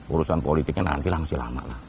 urusan politiknya nantilah masih lama lah